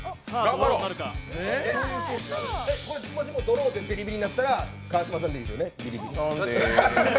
もしもドローでビリビリになったら川島さんでいいんですよね？